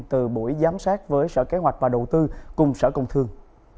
từ buổi giám sát với sở kế hoạch và đầu tư cùng sở công thương